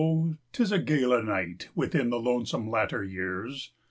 'tis a gala nightWithin the lonesome latter years!